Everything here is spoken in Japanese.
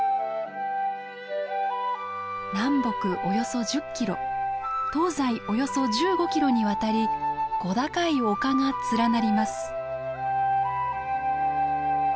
南北およそ１０キロ東西およそ１５キロにわたり小高い丘が連なります。